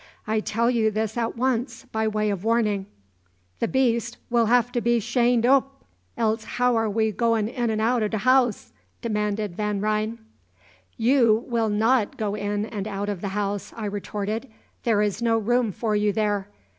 I tell you this at once, by way of warning." "The beast will 'ave to be shained oop; else how are we to go in an' out of der 'ouse?" demanded Van Ryn. "You will not go in and out of the house," I retorted. "There is no room for you there.